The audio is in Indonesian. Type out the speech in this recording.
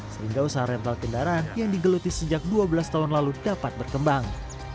sehingga usaha rental kendaraan yang digeluti sejak dua belas tahun lalu dapat berkembang